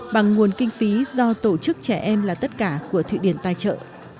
bằng nguồn kinh phí do tổ chức trẻ em là tất cả của thụy điển tài trợ